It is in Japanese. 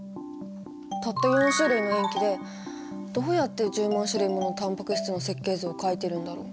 たった４種類の塩基でどうやって１０万種類ものタンパク質の設計図を描いてるんだろう？